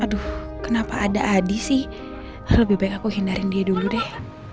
hai aduh kenapa ada adi sih lebih baik aku hindarin dia dulu deh